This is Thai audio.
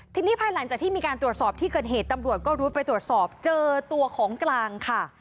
ทีนี้ภายหลังจากที่มีการตรวจสอบที่เกิดเหตุตำรวจก็รุดไปตรวจสอบเจอตัวของกลางค่ะ